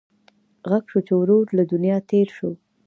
غږ شو چې ورور له دنیا تېر شو.